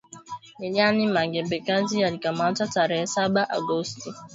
Liliane Mugabekazi alikamatwa tarehe saba Agosti